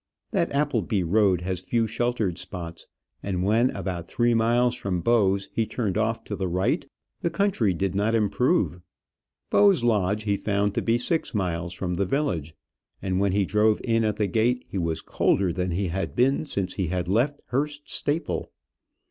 That Appleby road has few sheltered spots, and when about three miles from Bowes he turned off to the right, the country did not improve. Bowes Lodge he found to be six miles from the village, and when he drove in at the gate he was colder than he had been since he left Hurst Staple.